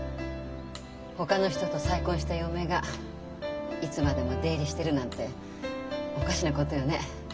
ほかの人と再婚した嫁がいつまでも出入りしてるなんておかしなことよね。